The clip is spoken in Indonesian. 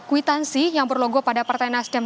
ada kuitansi yang berlogo pada pertanyaan asdem